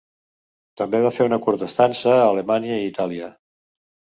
També va fer una curta estança a Alemanya i Italià.